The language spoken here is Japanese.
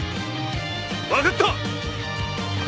分かった！